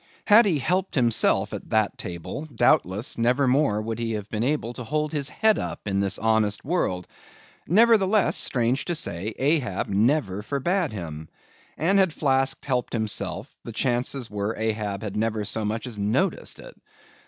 Had he helped himself at that table, doubtless, never more would he have been able to hold his head up in this honest world; nevertheless, strange to say, Ahab never forbade him. And had Flask helped himself, the chances were Ahab had never so much as noticed it.